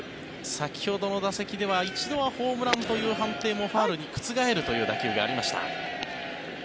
先ほどの打席では一度はホームランという判定もファウルに覆るという打球がありました。